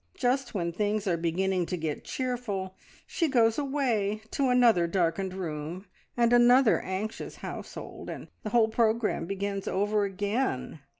Just when things are beginning to get cheerful, she goes away to another darkened room and another anxious household, and the whole programme begins over again.